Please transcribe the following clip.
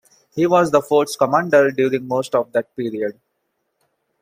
He was the fort's commander during most of that period.